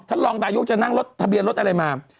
ท่านรองตายุคจะนั่งรถทะเบียร์รถอะไรมา